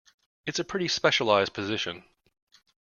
It's a pretty specialized position.